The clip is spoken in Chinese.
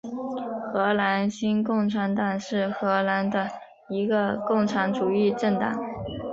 荷兰新共产党是荷兰的一个共产主义政党。